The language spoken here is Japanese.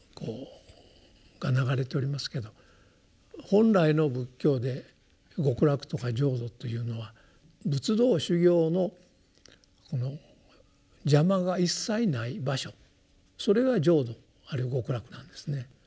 本来の仏教で極楽とか浄土というのは仏道修行の邪魔が一切ない場所それが浄土あるいは極楽なんですね。